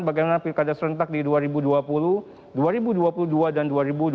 bagaimana pilkada serentak di dua ribu dua puluh dua ribu dua puluh dua dan dua ribu dua puluh